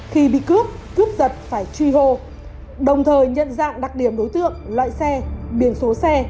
khi bị cướp cướp giật phải truy hô đồng thời nhận dạng đặc điểm đối tượng loại xe biển số xe